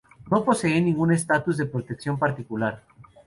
No posee ningún estatus de protección particular.